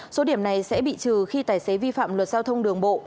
số điểm này sẽ bị trừ khi tài xế vi phạm luật giao thông đường bộ